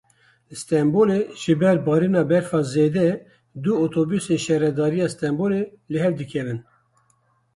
Li Stenbolê ji ber barîna berfa zêde du otobusên Şaredariya Stenbolê li hev dikevin.